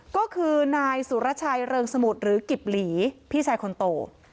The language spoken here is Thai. ก็คือนายสุรชัยเริงสมุทรหรือกิบหลีพี่ชายคนโต